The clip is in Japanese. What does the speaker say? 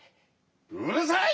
うるさい！